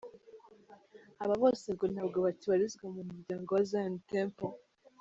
Aba bose ngo ntabwo bakibarizwa mu muryango wa Zion Temple.